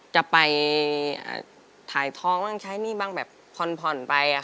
จะไปถ่ายท้องบ้างใช้หนี้บ้างแบบผ่อนไป